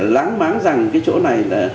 lãng máng rằng cái chỗ này